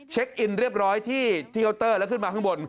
อินเรียบร้อยที่เคาน์เตอร์แล้วขึ้นมาข้างบน